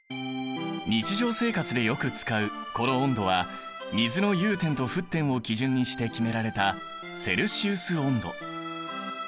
日常生活でよく使うこの温度は水の融点と沸点を基準にして決められたセルシウス温度。